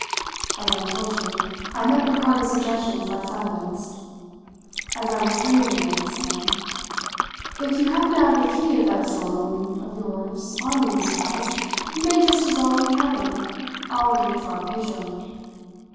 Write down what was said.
As I have told you, I met Ricardo's suggestions by silence. As I was turning away he said: "'If you happen to have the key of that store room of yours on you, Mr. Heyst, you may just as well let me have it; I will give it to our Pedro.'